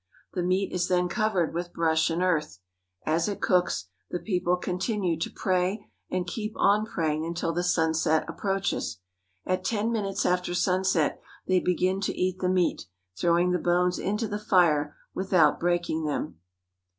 The meat is then covered with brush and earth. As it cooks, the people continue to pray, and keep on praying until the sunset approaches. At ten minutes after sunset they be gin to eat the meat, throwing the bones into the fire with out breaking them.